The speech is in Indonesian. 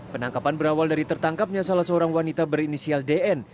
penangkapan berawal dari tertangkapnya salah seorang wanita berinisial dn